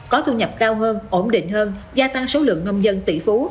có thu nhập cao hơn ổn định hơn gia tăng số lượng nông dân tỷ phú